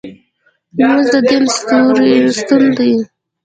لمونځ د دین ستون دی